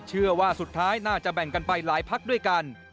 เชื่อว่าสุดท้ายน่าจะแบ่งกันไปหลายพักด้วยกัน